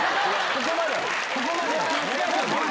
ここまで！